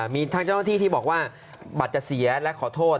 มีทางเจ้าหน้าที่ที่บอกว่าบัตรจะเสียและขอโทษ